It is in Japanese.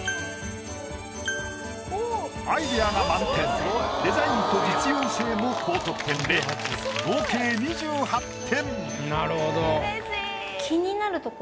アイデアが満点デザインと実用性も高得点で合計２８点。